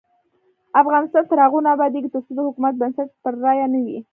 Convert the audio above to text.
افغانستان تر هغو نه ابادیږي، ترڅو د حکومت بنسټ پر رایه نه وي.